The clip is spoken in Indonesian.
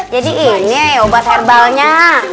jadi ini ya obat herbalnya